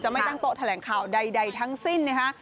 ไม่ตั้งโต๊ะแถลงข่าวใดทั้งสิ้นนะคะ